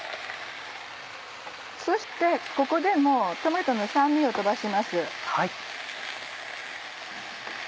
そしてここでもトマトの酸味を飛ばします。